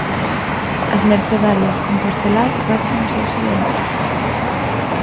As Mercedarias compostelás rachan o seu silencio.